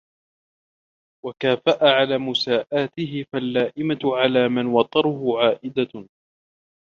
وَكَافَأَ عَلَى مُسَاءَتِهِ فَاللَّائِمَةُ عَلَى مَنْ وَتَرَهُ عَائِدَةٌ